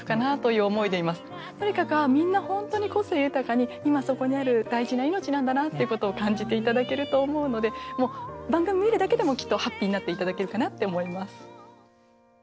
とにかくああみんな本当に個性豊かに今そこにある大事な命なんだなっていうことを感じていただけると思うのでもう番組見るだけでもきっとハッピーになっていただけるかなって思います。